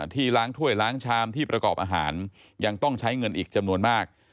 ที่ล้างถ้วยล้างชามที่ประกอบอาหารยังต้องใช้เงินอีกจำนวนมาก